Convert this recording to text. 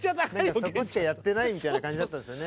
そこしかやってないみたいな感じだったんですよね。